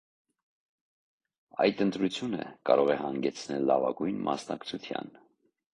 Այդ ընտրությունը կարող է հանգեցնել լավագույն մասնակցության։